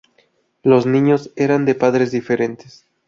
Los niños eran de padres diferentes.